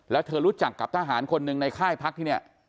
แล้วเธอรู้จักกับทหารคนหนึ่งในค่ายพักที่เนี่ย